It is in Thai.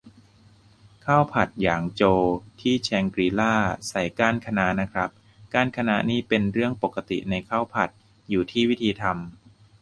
ข้าวผัดหยางโจวที่แชงกรีลาใส่ก้านคะน้านะครับ ก้านคะน้านี่เป็นเรื่องปกติในข้าวผัด อยู่ที่วิธีทำ